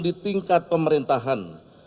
di tingkat pemerintahan